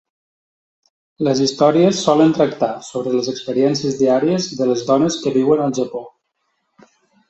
Les històries solen tractar sobre les experiències diàries de les dones que viuen al Japó.